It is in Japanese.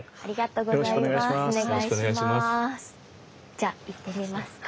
じゃあ行ってみますか。